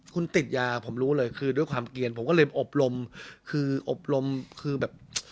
คุณติดยาผมรู้เลยคือด้วยความเกลียนผมก็เลยอบรมคืออบรมคือแบบ